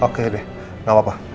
oke deh gak apa apa